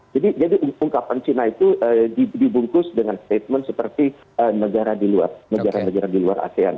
jadi ungkapan cina itu dibungkus dengan statement seperti negara di luar asean